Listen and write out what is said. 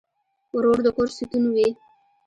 ورور د کور ستن وي.